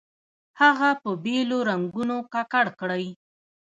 هغه په بېلو رنګونو ککړ کړئ.